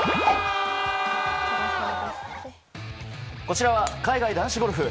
こちらは海外男子ゴルフ。